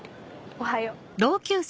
おはよう。